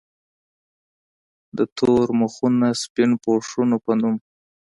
د “ تور مخونه سپين پوښونه ” پۀ نوم